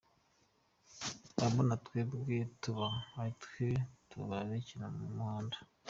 Mba mbona twebwe tubaha ari twe tubarekera mu muhanda.